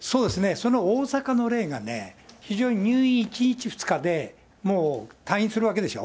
その大阪の例がね、非常に、入院１日、２日で、もう退院するわけでしょ。